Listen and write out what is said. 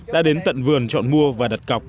đã đến tận vườn chọn mua và đặt cọc